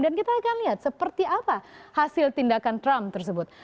dan kita akan lihat seperti apa hasil tindakan trump tersebut